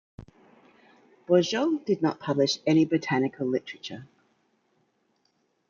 Bourgeau did not publish any botanical literature.